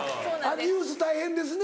「ニュース大変ですね」